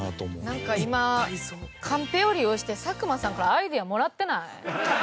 なんか今カンペを利用して佐久間さんからアイデアもらってない？